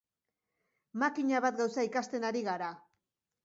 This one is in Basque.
Makina bat gauza ikasten ari gara.